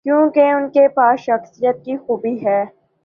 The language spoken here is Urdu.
کیونکہ ان کے پاس شخصیت کی خوبی ہے۔